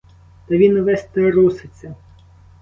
Та він увесь труситься!